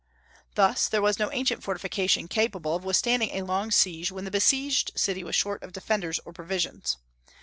Thus there was no ancient fortification capable of withstanding a long siege when the besieged city was short of defenders or provisions.